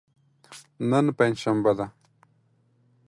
نن پنج شنبه ده.